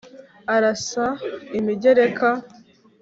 arasa imigereka